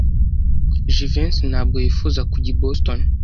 Jivency ntabwo yifuza kujya i Boston.